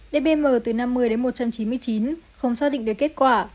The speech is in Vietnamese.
dbm từ năm mươi đến một trăm chín mươi chín không xác định được kết quả